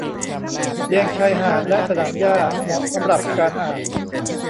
เตียงชายหาดและสนามหญ้าเหมาะสำหรับการอ่าน